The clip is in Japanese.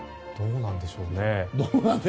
どうなんでしょう。